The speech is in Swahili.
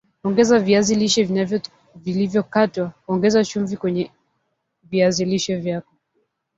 Ongeza viazi lishe vilivyokatwa Ongeza chumvi kenye viazi lishe vyako